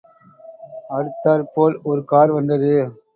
அடுத்தாற்போல் ஒருகார் வந்தது.